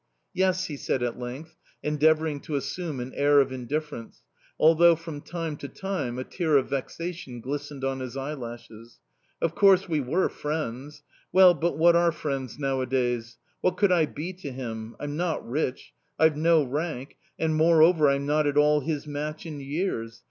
"Yes," he said at length, endeavouring to assume an air of indifference, although from time to time a tear of vexation glistened on his eyelashes. "Of course we were friends well, but what are friends nowadays?... What could I be to him? I'm not rich; I've no rank; and, moreover, I'm not at all his match in years!